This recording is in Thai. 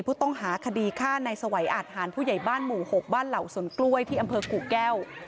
ผู้ต้องหาคดีฆ่าในสวัยอาทหารผู้ใหญ่บ้านหมู่๖บ้านเหล่าสนกล้วยที่อำเภอกู่แก้ว